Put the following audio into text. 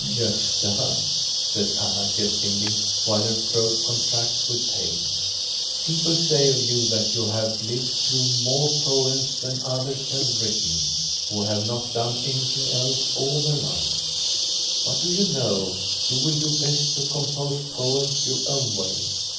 "Gosta," says Anna, jestingly, while her throat contracts with pain, "people say of you that you have lived through more poems than others have written, who have not done anything else all their lives; but do you know, you will do best to compose poems your own way.